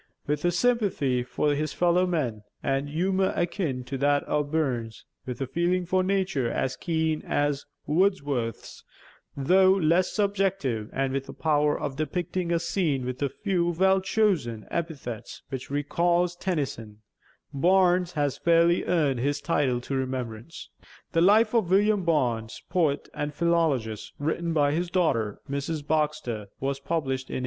With a sympathy for his fellow man and a humor akin to that of Burns, with a feeling for nature as keen as Wordsworth's, though less subjective, and with a power of depicting a scene with a few well chosen epithets which recalls Tennyson, Barnes has fairly earned his title to remembrance. 'The Life of William Barnes, Poet and Philologist,' written by his daughter, Mrs. Baxter, was published in 1887.